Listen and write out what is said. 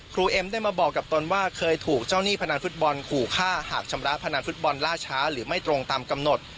เอ็มได้มาบอกกับตนว่าเคยถูกเจ้าหนี้พนันฟุตบอลขู่ฆ่าหากชำระพนันฟุตบอลล่าช้าหรือไม่ตรงตามกำหนด